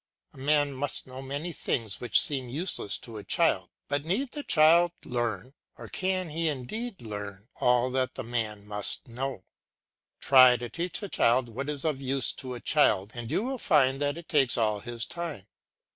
A man must know many things which seem useless to a child, but need the child learn, or can he indeed learn, all that the man must know? Try to teach the child what is of use to a child and you will find that it takes all his time.